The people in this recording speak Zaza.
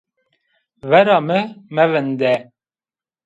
Vera mi mevinde!